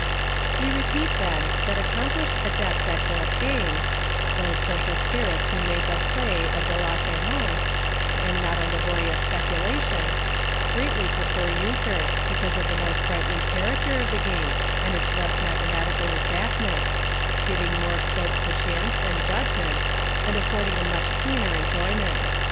"We repeat, then, that accomplished adepts at both games — those social spirits who make of play a delassement, and not a laborious speculation — greatly prefer Euchre, because of the more sprightly character of the game, and its less mathematical exactness — giving more scope to chance and judgment, and affording a much keener enjoyment.